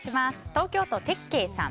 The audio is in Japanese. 東京都の方。